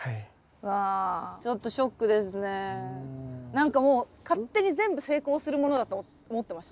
何かもう勝手に全部成功するものだと思ってました。